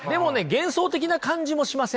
幻想的な感じもしません？